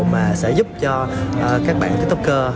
mà sẽ giúp cho các bạn tiktoker